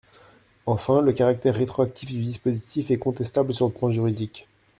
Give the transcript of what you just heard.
Enfin, le caractère rétroactif du dispositif est contestable sur le plan juridique.